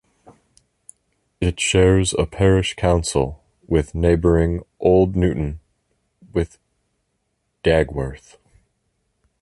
It shares a parish council with neighbouring Old Newton with Dagworth.